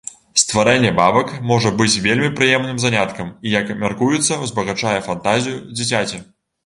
Стварэнне бабак можа быць вельмі прыемным заняткам, і, як мяркуецца, узбагачае фантазію дзіцяці.